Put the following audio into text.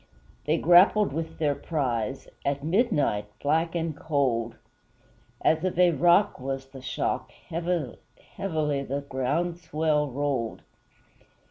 They grappled with their prize, At midnight black and cold! As of a rock was the shock; Heavily the ground swell rolled.